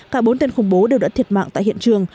cả bốn tên khủng bố đều đã thiệt mạng tại hiện trường